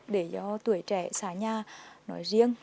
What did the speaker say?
để do tuổi trẻ xã nhà nói riêng